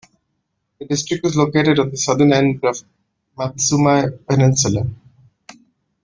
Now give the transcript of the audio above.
The district is located on the southern end of the Matsumae Peninsula.